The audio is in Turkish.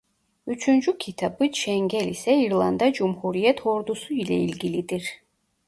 Üçüncü kitabı Çengel ise İrlanda Cumhuriyet Ordusu ile ilgilidir.